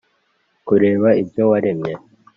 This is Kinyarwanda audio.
kureba ibyo waremye